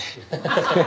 ハハハハ！